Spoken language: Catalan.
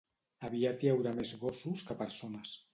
Aviat hi haurà més gossos que persones